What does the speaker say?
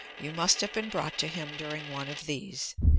You must have been brought to him during one of these.